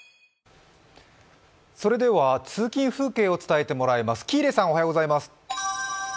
通勤風景を伝えてもらいます。